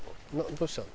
どうしたの？